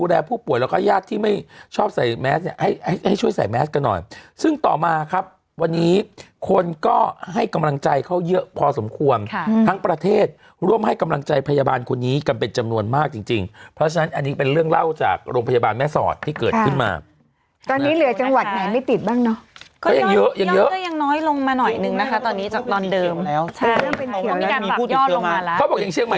แล้วผู้ป่วยแล้วก็ญาติที่ไม่ชอบใส่แมสเนี่ยให้ช่วยใส่แมสกันหน่อยซึ่งต่อมาครับวันนี้คนก็ให้กำลังใจเขาเยอะพอสมควรทั้งประเทศร่วมให้กำลังใจพยาบาลคนนี้กันเป็นจำนวนมากจริงจริงเพราะฉะนั้นอันนี้เป็นเรื่องเล่าจากโรงพยาบาลแม่ศอดที่เกิดขึ้นมาตอนนี้เหลือจังหวัดไหนไม่ติดบ้างเนาะ